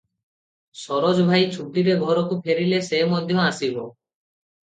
ସରୋଜ ଭାଇ ଛୁଟିରେ ଘରକୁ ଫେରିଲେ ସେ ମଧ୍ୟ ଆସିବ ।"